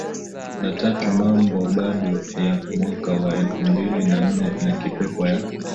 na tatu Mambo Bado ya mwaka wa elfu mbili na nne na Kipepo ya